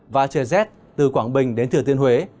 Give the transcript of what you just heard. và trời rét từ quảng bình đến thừa tiên huế